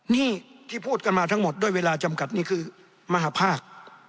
นี่ที่พูดกันมาทั้งหมดด้วยเวลาจำกัดนี่คือมหาภาค